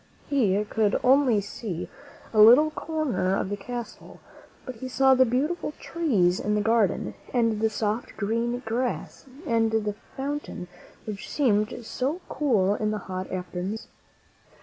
He could only see a little corner of the castle, but he saw the beautiful trees in the garden, and the soft, green grass and the fountain which seemed so cool in the hot afternoons.